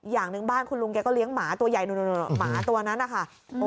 อย่างหนึ่งบ้านคุณลุงแกก็เลี้ยงหมาตัวใหญ่หมาตัวนั้นนะคะ